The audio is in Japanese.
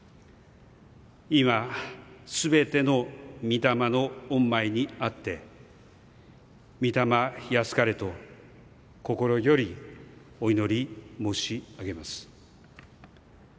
今、すべての御霊の御前にあって御霊安かれと心より、お祈り申し上げます。